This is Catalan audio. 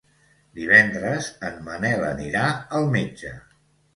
Divendres en Manel anirà al metge.